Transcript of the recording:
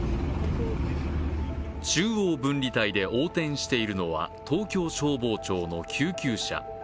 中央分離帯で横転しているのは東京消防庁の救急車。